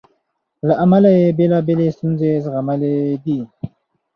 له امله یې بېلابېلې ستونزې زغملې دي.